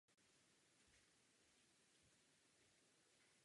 Snímek se také natáčel ve studiích North Shore.